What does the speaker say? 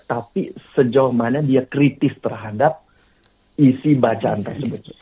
tapi sejauh mana dia kritis terhadap isi bacaan tersebut